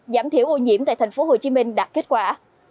giảm thiểu ô nhiễm tại thành phố hồ chí minh đạt kết quả